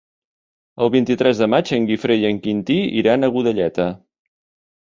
El vint-i-tres de maig en Guifré i en Quintí iran a Godelleta.